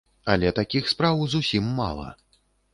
Але такіх спраў зусім мала.